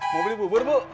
mau beli bubur bu